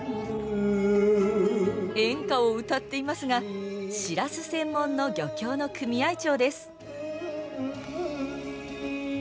演歌を歌っていますがシラス専門の漁協の組合長です。